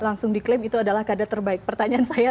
langsung diklaim itu adalah kader terbaik pertanyaan saya